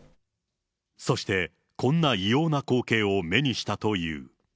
そして、こんな異様な光景を目にしたという。